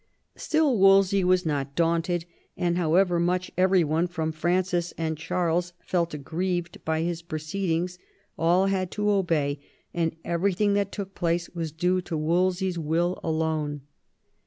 Still Wolsey was not daunted, and however much every one, from Francis and Charles, felt aggrieved by his proceedings, all had to obey ; and everything that took place was due to Wolsey's will alone.